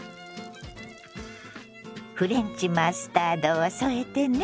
フレンチマスタードを添えてね。